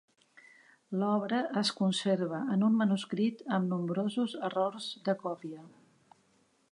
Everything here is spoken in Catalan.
L'obra es conserva en un manuscrit amb nombrosos errors de còpia.